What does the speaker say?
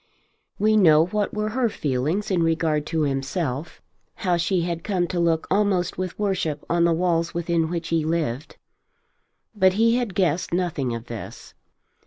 We know what were her feelings in regard to himself, how she had come to look almost with worship on the walls within which he lived; but he had guessed nothing of this.